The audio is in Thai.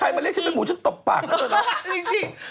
ทำไมต้องเรียกเป็นคนดีทำไมต้องเรียกเป็นหมู